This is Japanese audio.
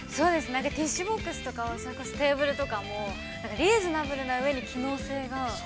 ◆ティッシュボックスとか、テーブルとかも、リーズナブルな上に、機能性が。